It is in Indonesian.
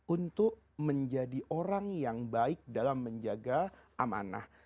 untuk menjadi orang yang baik dalam menjaga amanah